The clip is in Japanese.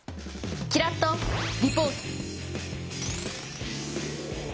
キラッとリポート！